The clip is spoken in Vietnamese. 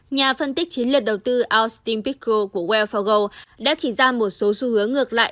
nhà phân tích chiến lược đầu tư austin pickle của wealthfargo đã chỉ ra một số xu hướng ngược lại